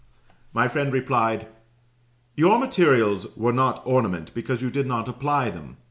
My friend replied: "Your materials were not ornament, because you did not apply them.